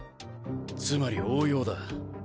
つまり応用だ。